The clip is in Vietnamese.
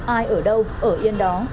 ai ở đâu ở yên đó